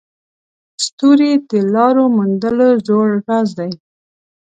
ستوري د لارو موندلو زوړ راز دی.